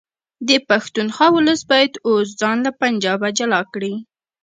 د پښتونخوا ولس باید اوس ځان له پنجابه جلا کړي